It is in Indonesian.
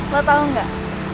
lo tau nggak